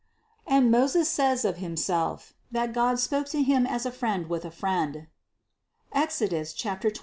And Moses says of himself, that God spoke to him as a friend with a friend (Exodus 23, 11).